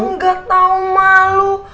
nggak tau malu